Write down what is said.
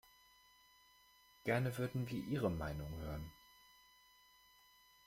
Gerne würden wir Ihre Meinung hören.